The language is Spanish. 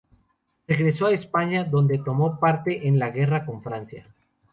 Regresó a España, donde tomó parte en la guerra con Francia.